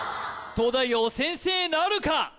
東大王先制なるか？